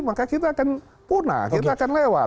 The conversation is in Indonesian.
maka kita akan punah kita akan lewat